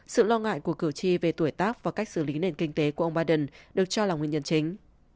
sự lo ngại của cử tri về tuổi tác và cách xử lý nền kinh tế của ông biden được cho là nguyên nhân chính